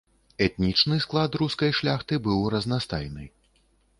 Этнічны склад рускай шляхты быў разнастайны.